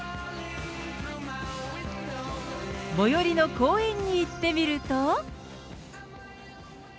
最寄りの公園に行ってみると。